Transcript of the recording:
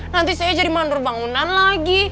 nanti saya jadi mandur bangunan lagi